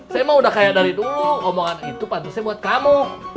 saya mah udah kaya dari dulu omongan itu pantusnya buat kamu